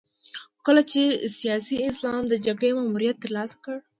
خو کله چې سیاسي اسلام د جګړې ماموریت ترلاسه کړ.